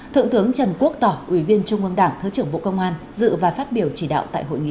thượng tướng trần quốc tỏ ủy viên trung ương đảng thứ trưởng bộ công an dự và phát biểu chỉ đạo tại hội nghị